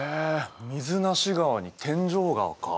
水無川に天井川か。